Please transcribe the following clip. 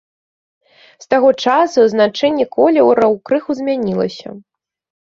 З таго часу значэнне колераў крыху змянілася.